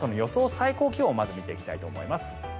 最高気温をまず見ていきたいと思います。